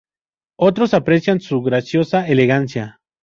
Otros aprecian su graciosa elegancia.